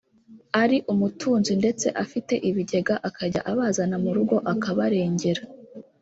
ari umutunzi ndetse afite ibigega akajya abazana mu rugo akabarengera